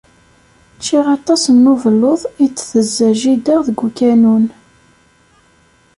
Ččiɣ aṭas n ubelluḍ id-tezza jida deg ukanun.